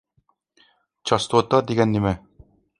چاستوتا دېگەن نېمە؟